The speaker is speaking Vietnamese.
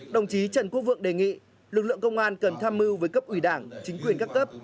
đồng chí trần quốc vượng đề nghị lực lượng công an cần tham mưu với cấp ủy đảng chính quyền các cấp